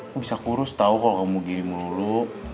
lo bisa kurus tau kalau kamu gini mulu mulu